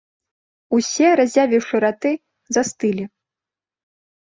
Усе, разявіўшы раты, застылі.